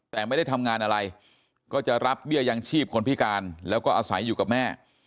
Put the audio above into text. แต่ไม่ได้ทำงานอะไรก็จะรับเบี้ยยังชีพคนพิการแล้วก็อาศัยอยู่กับแม่